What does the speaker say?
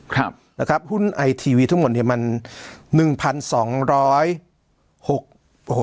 ครับนะครับหุ้นไอทีวีทั้งหมดเนี้ยมันหนึ่งพันสองร้อยหกโอ้โห